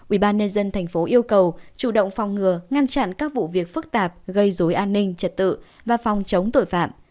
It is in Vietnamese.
ubnd tp yêu cầu chủ động phòng ngừa ngăn chặn các vụ việc phức tạp gây dối an ninh trật tự và phòng chống tội phạm